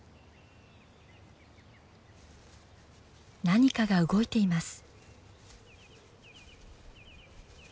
何かが動いています。